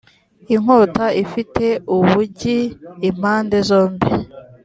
inkota ifite ubugi impande zombi